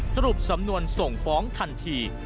สรุปสำนวนส่งฟ้องทันที